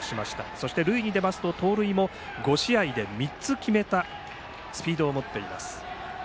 そして塁に出ますと盗塁も５試合で３つ決めたスピードを持っています。